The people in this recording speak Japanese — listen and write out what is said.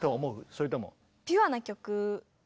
それとも。